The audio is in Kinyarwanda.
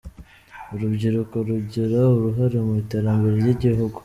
Urubyiruko rugira uruhare mu iterambere ry’igihugu.